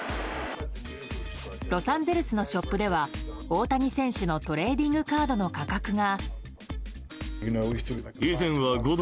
ロサンゼルスのショップでは大谷選手のトレーディングカードの価格が。